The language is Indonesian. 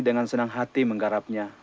dengan senang hati menggarapnya